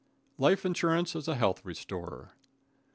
Life Insurance as a Health Restorer.